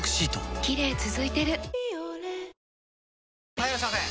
・はいいらっしゃいませ！